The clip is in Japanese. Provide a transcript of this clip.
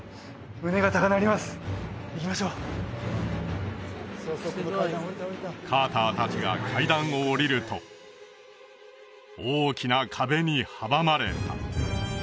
胸が高鳴ります行きましょうカーター達が階段を下りると大きな壁に阻まれた